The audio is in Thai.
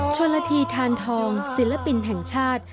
ชนละทีทานทองศิลปินแห่งชาติ